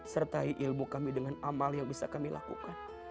sertai ilmu kami dengan amal yang bisa kami lakukan